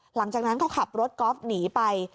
หลังจากนั้นก็ขับรถกอล์ฟหนีไป